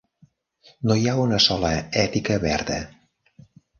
No hi ha una sola "Ètica Verda".